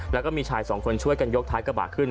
แล้วก็มีชายสองคนช่วยกันยกท้ายกระบะขึ้น